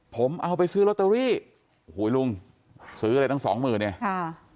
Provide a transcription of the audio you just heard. ผมเอาไปซื้อลอตเตอรี่โอ้โหลุงซื้ออะไรตั้งสองหมื่นเนี่ยค่ะ